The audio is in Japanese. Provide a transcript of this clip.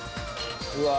うわ。